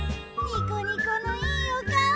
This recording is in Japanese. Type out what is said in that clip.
ニッコニコいいおかお。